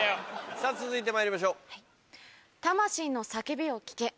さぁ続いてまいりましょう。